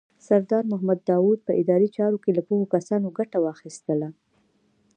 سردار محمد داود په اداري چارو کې له پوهو کسانو ګټه واخیستله.